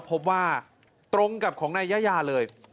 พบว่าตรงกับของนายยายาเลย